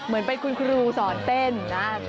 เหมือนเป็นคุณครูสอนเต้นนะ